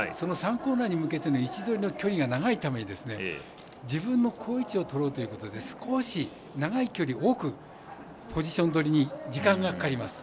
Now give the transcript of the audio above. ３コーナーに向けての位置取りの距離が長いために自分の位置取りをするために少し長い距離多くポジション取りに時間がかかります。